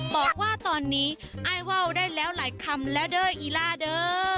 บอกว่าตอนนี้อายว่าวได้แล้วหลายคำแล้วเด้ออีล่าเด้อ